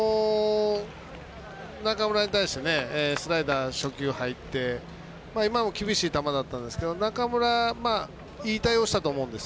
中村に対してスライダー初球入って今も厳しい球だったんですけど中村、いい対応したと思うんです。